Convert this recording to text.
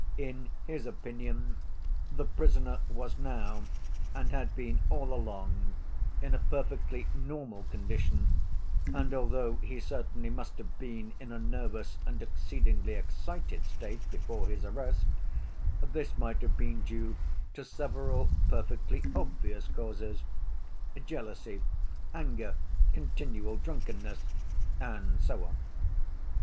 In his opinion the prisoner was now, and had been all along, in a perfectly normal condition, and, although he certainly must have been in a nervous and exceedingly excited state before his arrest, this might have been due to several perfectly obvious causes, jealousy, anger, continual drunkenness, and so on.